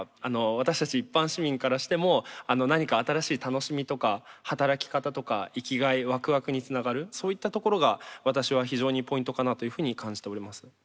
私たち一般市民からしてもあの何か新しい楽しみとか働き方とか生きがいわくわくにつながるそういったところが私は非常にポイントかなというふうに感じております。